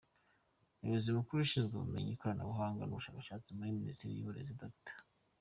Umuyobozi Mukuru ushinzwe Ubumenyi, Ikoranabuhanga n’Ubushakashatsi muri Minisiteri y’Uburezi, Dr.